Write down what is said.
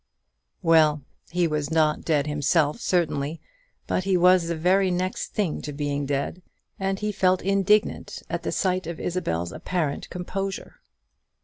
Well, he was not dead himself, certainly; but he was the very next thing to being dead; and he felt indignant at the sight of Isabel's apparent composure.